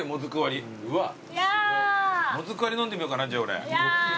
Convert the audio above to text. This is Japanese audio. もずくわり飲んでみようかな俺。